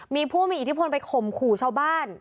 มีผู้มีอิทธิพลไปข่มขู่ชาวบ้าน